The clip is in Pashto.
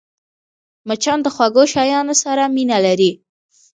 مچان د خوږو شيانو سره مینه لري